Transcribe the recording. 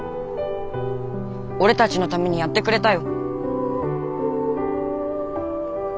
俺たちのためにやってくれたよ。